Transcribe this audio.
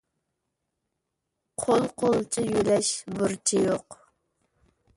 قول قولچە يۆلەش بۇرچى يوق.